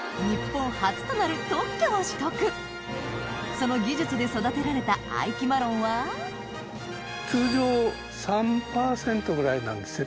その技術で育てられた愛樹マロンは通常３％ぐらいなんですね